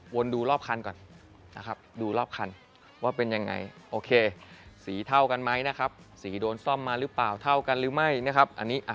วนดูรอบคันก่อนนะครับ